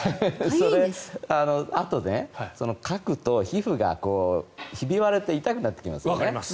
あと、かくと皮膚がひび割れて痛くなってきますよね。